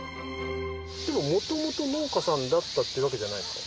もともと農家さんだったってわけじゃないんですか？